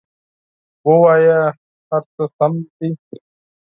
ووایه هر څه سم دي!